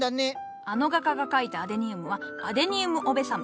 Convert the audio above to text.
あの画家が描いたアデニウムは「アデニウム・オベサム」。